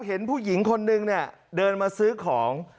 เห็นผู้หญิงคนนึงเนี่ยเดินมาซื้อของ